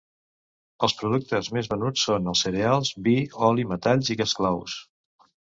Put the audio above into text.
Els productes més venuts són els cereals, vi, oli, metalls i esclaus.